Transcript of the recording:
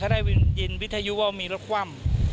ได้ยินวิทยุว่ามีรถคว่ำ